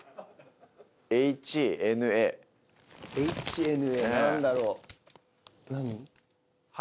ＨＮＡ何だろう？